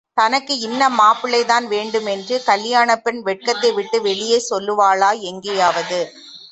தனக்கு இன்ன மாப்பிள்ளை தான் வேண்டுமென்று கல்யாணப் பெண் வெட்கத்தை விட்டு வெளியே சொல்லுவாளா எங்கேயாவது?